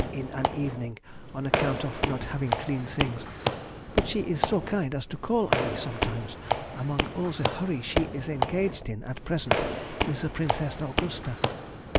in an evening, on account of not having clean things; but she is so kind as to call on me sometimes among all the hurry she is engaged in at present with the Princess Augusta.